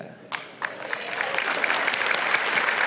kecuali hanya memberi restu dan dukungan buat saya